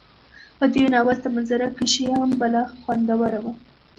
په دې ناول ته منظره کشي هم بلا خوندوره وه